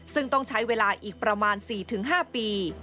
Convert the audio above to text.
ซึ่งต้องใช้เวลาอีกประมาณ๔๕ปี